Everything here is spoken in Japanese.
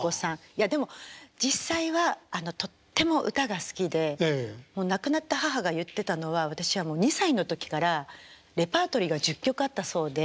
いやでも実際はとっても歌が好きで亡くなった母が言ってたのは私はもう２歳の時からレパートリーが１０曲あったそうで。